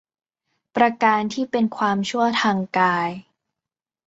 ประการที่เป็นความชั่วทางกาย